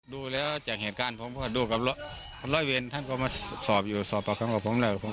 ดูแล้วจากเหตุการณ์ผมเค้าดูกับรอยเวนท่านเค้ามันสอบอยู่สอบปากครั้งกับผมแล้วผมก็เห็น